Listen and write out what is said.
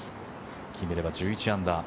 決めれば１１アンダー。